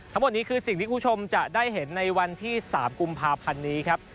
ทั้งหมดนี้คือสิ่งที่คุณผู้ชมจะได้เห็นในวันที่๓กุมภาพันธ์นี้ครับ